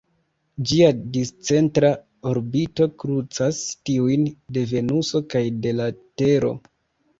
Ĝia discentra orbito krucas tiujn de Venuso kaj de la Tero.